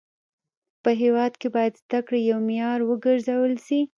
په هيواد کي باید زده کړه يو معيار و ګرځول سي.